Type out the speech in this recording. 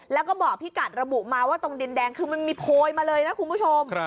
แล้วก็บอกพี่กัดระบุมาว่าตรงดินแดงคือมันมีโพยมาเลยนะคุณผู้ชม